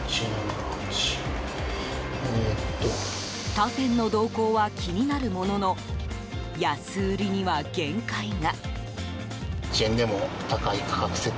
他店の動向は気になるものの安売りには限界が。